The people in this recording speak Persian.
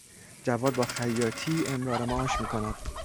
جواد با خیاطی امرار معاش میکند.